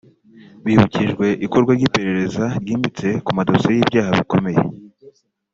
Bibukijwe ikorwa ry’iperereza ryimbitse ku madosiye y’ibyaha bikomeye